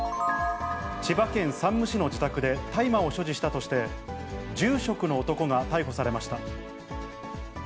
千葉県山武市の自宅で大麻を所持したとして、住職の男が逮捕されました。